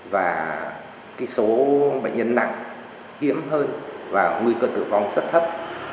và số bệnh nhân nặng hiếm hơn và nguy cơ tử vong rất thấp